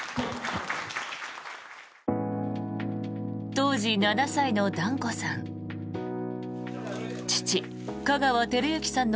当時７歳の團子さん。